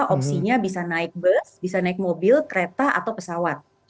opsinya bisa naik bus bisa naik mobil kereta atau pesawat